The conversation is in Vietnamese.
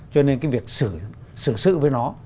cho nên cái việc xử sự với nó